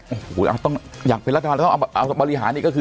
โอ้โหต้องอยากเป็นรัฐบาลแล้วต้องเอาบริหารอีกก็คือ